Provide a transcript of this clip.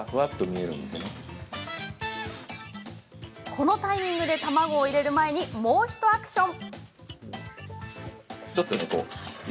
このタイミングで卵を入れる前にもうひとアクション。